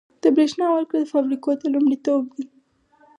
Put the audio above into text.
د بریښنا ورکړه فابریکو ته لومړیتوب دی